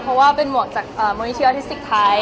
เพราะว่าเป็นหมวกจากมงานิชย์อาร์ทิสติกไทย